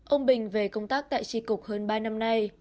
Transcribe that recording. ông bình về công tác tại tri cục hơn ba năm nay